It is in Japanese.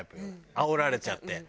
あおられちゃって。